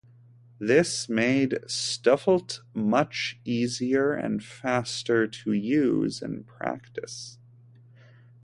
This made StuffIt much easier and faster to use in practice.